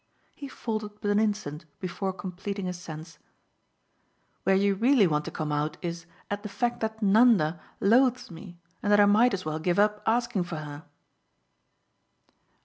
He faltered but an instant before completing his sense. "Where you really want to come out is at the fact that Nanda loathes me and that I might as well give up asking for her."